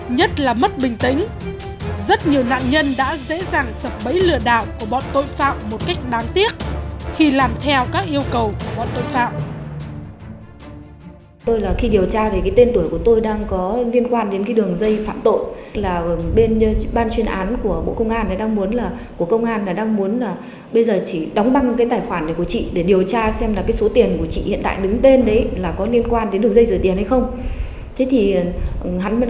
nhất là mất bình tĩnh rất nhiều nạn nhân đã dễ dàng sập bấy lừa đảo của bọn tội phạm một cách đáng tiếc khi làm theo các yêu cầu của bọn tội phạm